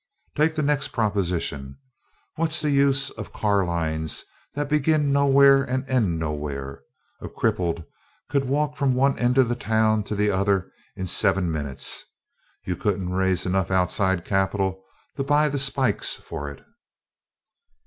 "Take the next proposition: What's the use of car lines that begin nowhere and end nowhere? A cripple could walk from one end of the town to the other in seven minutes. You couldn't raise enough outside capital to buy the spikes for it.